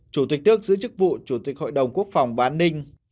chủ tịch nước giữ chức vụ chủ tịch hội đồng quốc phòng và an ninh